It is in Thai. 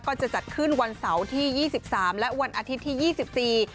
ก็จะจัดขึ้นวันเสาร์ที่๒๓และวันอาทิตย์ที่๒๔